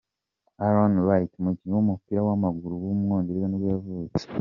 Alan Wright, umukinnyi w’umupira w’amaguru w’umwongereza nibwo yavutse.